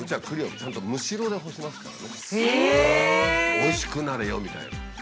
「おいしくなれよ」みたいな。